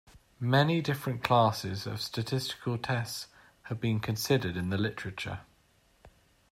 Many different classes of statistical tests have been considered in the literature.